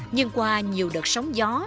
nhưng qua nhiều đợt sống